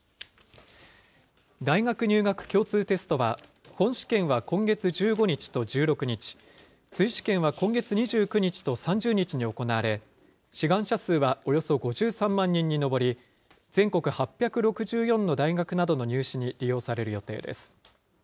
大学入学共通テストは、本試験は今月１５日と１６日、追試験は今月２９日と３０日に行われ、志願者数はおよそ５３万人に上り、全国８６４の大学などの入試に利用される予定です。